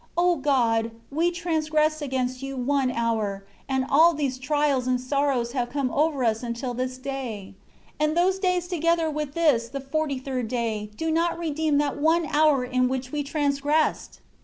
O God, we transgressed against You one hour, and all these trials and sorrows have come over us until this day. 6 And those days together with this the forty third day, do not redeem that one hour in which we transgressed!